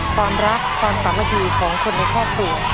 ความรักความสามารถดีของคนในแค่ตัว